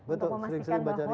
betul sering sering baca rise